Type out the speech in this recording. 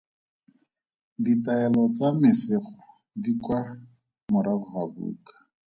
Ditaelo tsa mesego di kwa morago ga buka.